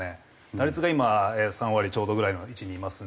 打率が今３割ちょうどぐらいの位置にいますので。